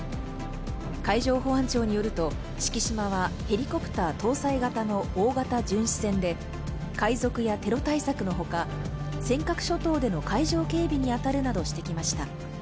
海上保安庁によると「しきしま」はヘリコプター搭載型の大型巡視船で、海賊やテロ対策のほか、尖閣諸島での海上警備に当たるなどしてきました。